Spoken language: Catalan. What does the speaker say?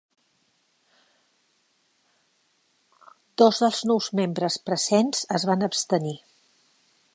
Dos dels nou membres presents es van abstenir.